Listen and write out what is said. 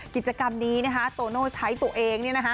กิจกรรมนี้นะคะโตโน่ใช้ตัวเอง